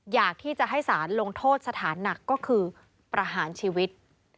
อยากที่จะให้สารลงโทษสถานหนักก็คือประหารชีวิต